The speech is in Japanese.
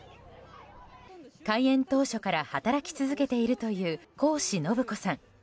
開園当初から働き続けているという好士信子さん。